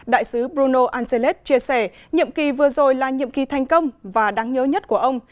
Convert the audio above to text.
đại sứ bruno ancelet chia sẻ nhiệm kỳ vừa rồi là nhiệm kỳ thành công và đáng nhớ nhất của ông